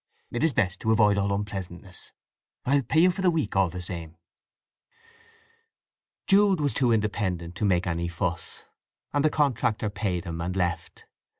It is best, to avoid all unpleasantness. I'll pay you for the week, all the same." Jude was too independent to make any fuss; and the contractor paid him, and left.